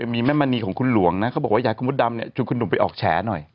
มีแม่มณีของคุณลวงนะ